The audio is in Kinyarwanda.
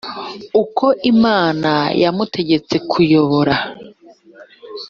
uko imana yamutegetse kuyobora